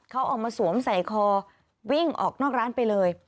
เขาออกมาสวมใส่คอวิ่งออกนอกร้านไปเลย